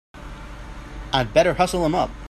I'd better hustle him up!